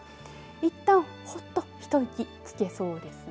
いったんほっと一息つけそうですね。